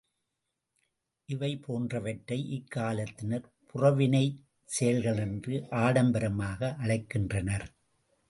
இவை போன்றவற்றை இக்காலத்தினர் புறவினைச் செயல்கள் என்று ஆடம்பரமாக அழைக்கின்றனர்.